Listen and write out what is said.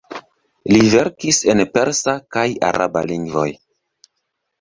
Li verkis en persa kaj araba lingvoj.